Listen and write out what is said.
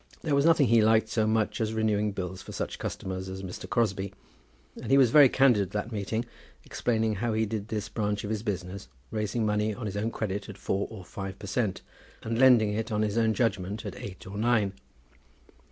There was nothing he liked so much as renewing bills for such customers as Mr. Crosbie; and he was very candid at that meeting, explaining how he did this branch of his business, raising money on his own credit at four or five per cent., and lending it on his own judgment at eight or nine.